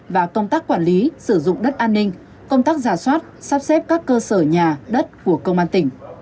và công tác quản lý sử dụng đất an ninh công tác giả soát sắp xếp các cơ sở nhà đất của công an tỉnh